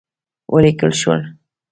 وليکل شول: